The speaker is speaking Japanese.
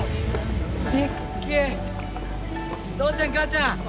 父ちゃん母ちゃん！